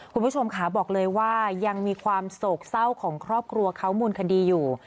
คุณผู้ชมค่ะบอกเลยว่ายังมีความโศกเศร้าของครอบครัวเขามูลคดีอยู่